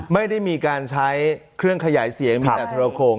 ไม่ได้มีการใช้เครื่องขยายเสียงมีแต่โทรโครง